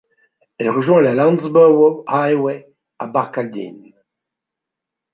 Elle rejoint la Landsborough Highway à Barcaldine.